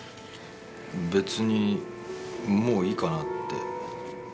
別にもういいかなって。